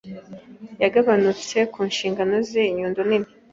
yagabanutse ku nshingano ze Inyundo nini